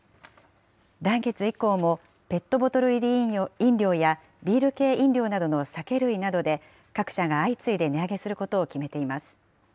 来月以降もペットボトル入り飲料やビール系飲料などの酒類などで、各社が相次いで値上げすることを決めています。